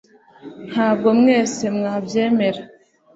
ntabwo mwese mubyemera